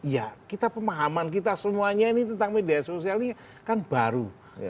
ya kita pemahaman kita semuanya ini tentang media sosial ini kan baru